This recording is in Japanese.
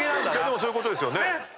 でもそういうことですよね。